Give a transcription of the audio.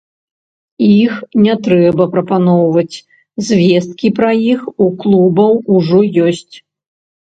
Іх не трэба прапаноўваць, звесткі пра іх у клубаў ужо ёсць.